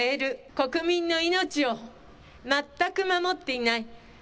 国民の命を全く守っていない。